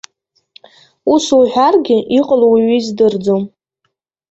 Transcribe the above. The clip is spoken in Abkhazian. Ус уҳәаргьы, иҟало уаҩы издырӡом.